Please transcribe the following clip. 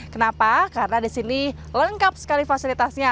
kenapa karena di sini lengkap sekali fasilitasnya